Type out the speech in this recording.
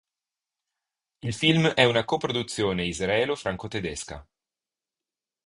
Il film è una coproduzione israelo-franco-tedesca.